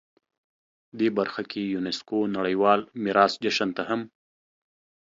دې برخه کې یونسکو نړیوال میراث جشن ته هم